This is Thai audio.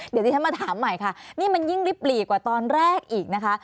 เดี๋ยวที่ฉันมาถามใหม่ค่ะนี่มันยิ่งลิบหลีกว่าตอนแรกอีกนะคะ